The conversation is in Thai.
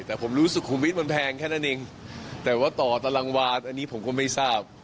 แต่ผมรู้สึกคุมวิทย์มันแพงแค่นั้นเองแต่ว่าต่อตารางวานอันนี้ผมก็ไม่ทราบ